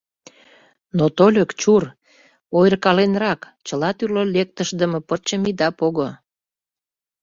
Но тольык, чур, ойыркаленрак, чыла тӱрлӧ лектышдыме пырчым ида пого.